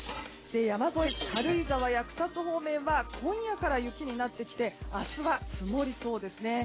山沿いの軽井沢や草津方面は今夜から雪になってきて明日は積もりそうですね。